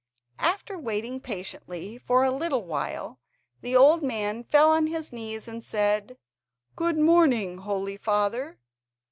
After waiting patiently for a little while, the old man fell on his knees, and said: "Good morning, holy father!"